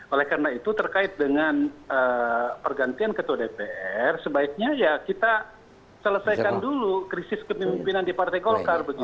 oleh karena itu terkait dengan pergantian ketua dpr sebaiknya ya kita selesaikan dulu krisis kepemimpinan di partai golkar